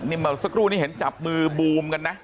เมื่อสักครู่นี้เห็นจับมือบูมกันนะ